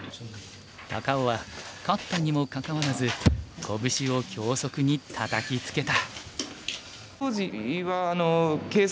高尾は勝ったにもかかわらずこぶしを脇息にたたきつけた。